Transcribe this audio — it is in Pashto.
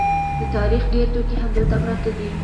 د تاریخ ډېر توکي همدلته پراته دي.